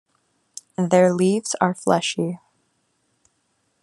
Their leaves are fleshy.